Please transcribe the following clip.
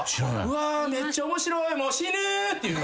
「うわめっちゃ面白い」「しぬー」って言う。